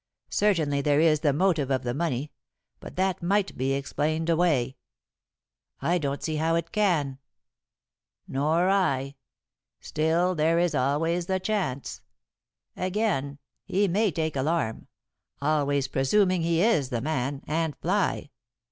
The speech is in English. Certainly there is the motive of the money, but that might be explained away." "I don't see how it can." "Nor I; still, there is always the chance. Again, he may take alarm always presuming he is the man and fly.